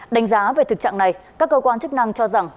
đánh giá về thực trạng này các cơ quan chức năng cho rằng